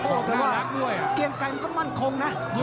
โอ้ยแต่ว่าเกียงไก่มันก็มั่นคงน่ะยุคระยะ